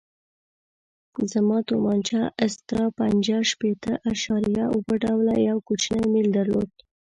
زما تومانچه استرا پنځه شپېته اعشاریه اوه ډوله یو کوچنی میل درلود.